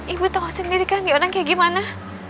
ibu tahu sendiri kan diorang kayak gimana